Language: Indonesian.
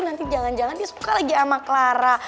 nanti jangan jangan dia suka lagi sama clara